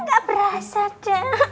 gak berasa cek